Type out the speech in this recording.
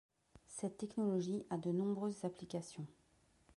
Cette technologie a de nombreuses applications.